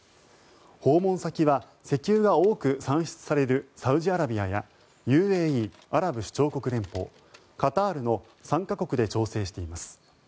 訪問先は石油が多く産出されるサウジアラビアやＵＡＥ・アラブ首長国連邦カタールの３か国で調整しています。